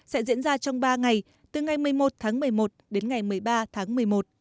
sẽ diễn ra trong ba ngày từ ngày một mươi một tháng một mươi một đến ngày một mươi ba tháng một mươi một